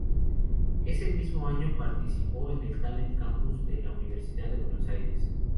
Ese mismo año participó en el Talent Campus de la Universidad de Buenos Aires.